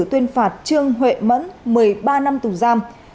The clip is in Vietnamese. tuyên phạt trương huệ mẫn một mươi ba năm tù giam